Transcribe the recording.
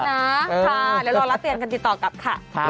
เดี๋ยวรอละเตือนกันติดต่อกับค่ะ